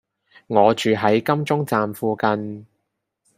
我住喺金鐘站附近